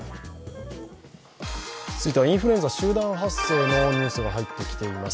続いては、インフルエンザ集団発生のニュースが入ってきています。